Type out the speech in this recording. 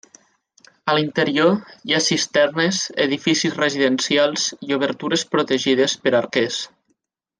A l'interior i ha cisternes, edificis residencials i obertures protegides per a arquers.